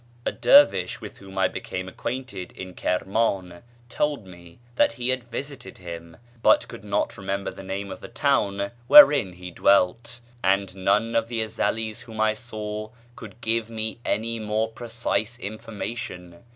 A dervish with whom I became acquainted in Kirmán told me that he had visited him, but could not remember the name of the town wherein he dwelt; and none of the Ezelís whom I saw could give me any more precise information.